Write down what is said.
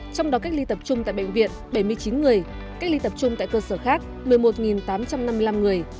trong đó cách ly tập trung tại bệnh viện bảy mươi chín người cách ly tập trung tại cơ sở khác một mươi một tám trăm năm mươi năm người